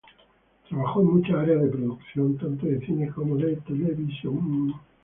Trabajó en muchas áreas de producción tanto de cine como de televisión.